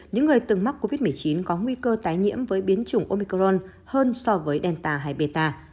những người từng mắc covid một mươi chín có nguy cơ tái nhiễm với biến chủng omicron hơn so với delta hay meta